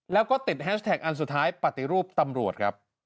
แล้วก็ติดแฮชแท็กอันสุดท้ายปฏิรูปตำรวจครับ